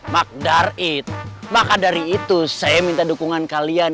makdarit maka dari itu saya minta dukungan kalian